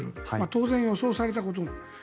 当然、予想されたこと。